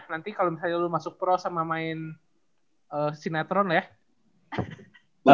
nanti kalo misalnya lu masuk pro sama main sinetron lah ya